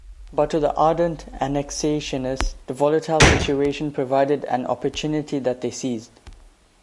But to the ardent Annexationists the volatile situation provided an opportunity that they seized.